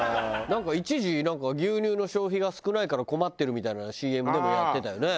なんか一時牛乳の消費が少ないから困ってるみたいなＣＭでもやってたよね。